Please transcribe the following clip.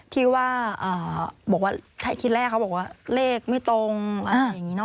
ที่ว่าบอกว่าที่แรกเขาบอกว่าเลขไม่ตรงอะไรอย่างนี้เนอ